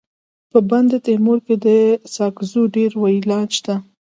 په بندتیمور کي د ساکزو ډير ولیان سته.